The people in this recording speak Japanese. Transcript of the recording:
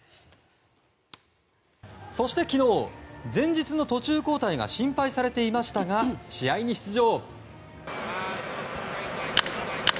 そして昨日、前日の途中交代が心配されましたが試合に出場。